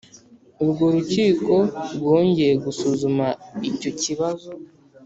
urwo rukiko rwongeye gusuzuma icyo kibazo.